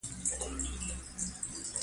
د پښتونخوا د شعرهاروبهار د جيمز اثر دﺉ.